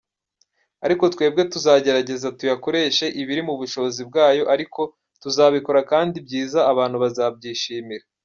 Ariko twebwe tuzagerageza tuyakoreshe ibiri mu bushobozi bwayo ariko tuzabikora kandi byiza abantu bazishimira.